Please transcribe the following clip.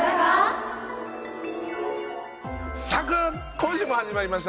今週も始まりました。